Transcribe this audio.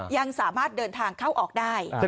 ยังสามารถเดินทางเข้าออกได้